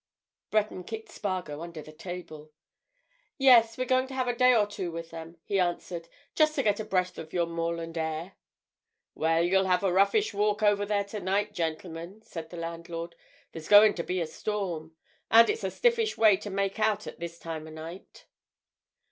Breton kicked Spargo under the table. "Yes, we're going to have a day or two with them," he answered. "Just to get a breath of your moorland air." "Well, you'll have a roughish walk over there tonight, gentlemen," said the landlord. "There's going to be a storm. And it's a stiffish way to make out at this time o'night."